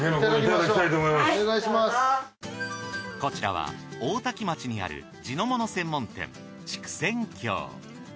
こちらは大多喜町にある地のもの専門店竹仙郷。